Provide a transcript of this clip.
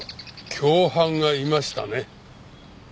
共犯がいましたね？